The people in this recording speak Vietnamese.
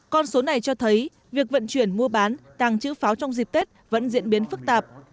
con số này cho thấy việc vận chuyển mua bán tàng trữ pháo trong dịp tết vẫn diễn biến phức tạp